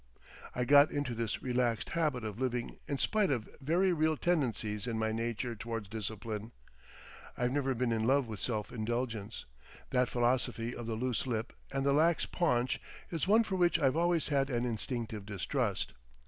I got into this relaxed habit of living in spite of very real tendencies in my nature towards discipline. I've never been in love with self indulgence. That philosophy of the loose lip and the lax paunch is one for which I've always had an instinctive distrust.